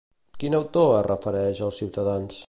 Quin autor es refereix als ciutadans?